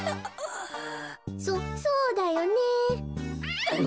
「そそうだよね」。